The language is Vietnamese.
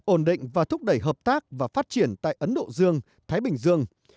ổn định và thúc đẩy hợp tác và phát triển tại ấn độ dương thái bình dương